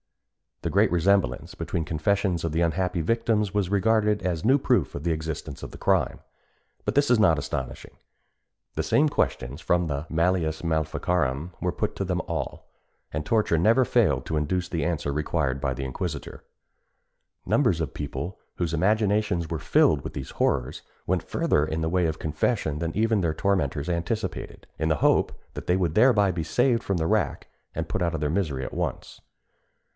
The great resemblance between the confessions of the unhappy victims was regarded as a new proof of the existence of the crime. But this is not astonishing. The same questions from the Malleus Maleficarum were put to them all, and torture never failed to educe the answer required by the inquisitor. Numbers of people, whose imaginations were filled with these horrors, went further in the way of confession than even their tormentors anticipated, in the hope that they would thereby be saved from the rack, and put out of their misery at once.